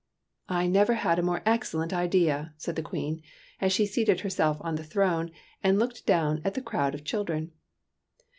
'' I never had a more excellent idea," said the Queen, as she seated herself on the throne and looked down at the crowd of children.